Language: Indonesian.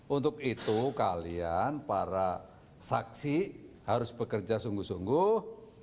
untuk itu kalian para saksi harus bekerja sungguh sungguh